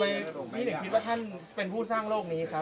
ไม่ถึงคิดว่าท่านเป็นผู้สร้างโลกนี้ครับ